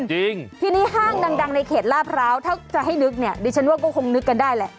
จริงทีนี้ห้างดังในเขตลาดพร้าวถ้าจะให้นึกเนี่ยดิฉันว่าก็คงนึกกันได้แหละ